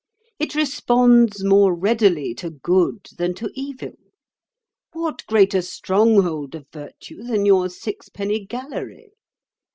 It responds more readily to good than to evil. What greater stronghold of virtue than your sixpenny gallery?